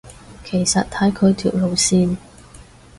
其實睇佢條路線